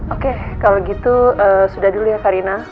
oke kalau gitu sudah dulu ya karina